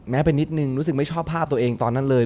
ไปนิดนึงรู้สึกไม่ชอบภาพตัวเองตอนนั้นเลย